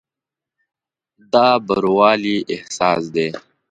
دا بروالي احساس دی.